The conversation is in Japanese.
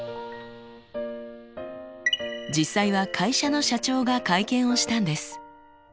実際は会社の社長が会見をしたんです。